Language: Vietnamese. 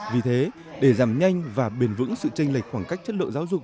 vì thế để giảm nhanh và bền vững sự tranh lệch khoảng cách chất lượng giáo dục